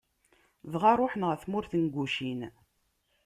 dɣa ṛuḥen ɣer tmurt n Gucin.